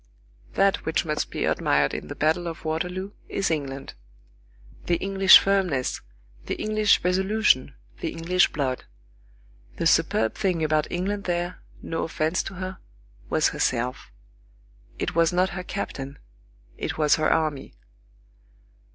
That which must be admired in the battle of Waterloo, is England; the English firmness, the English resolution, the English blood; the superb thing about England there, no offence to her, was herself. It was not her captain; it was her army.